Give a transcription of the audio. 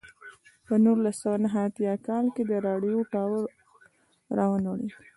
په نولس سوه نهه اتیا کال کې د راډیو ټاور را ونړېد.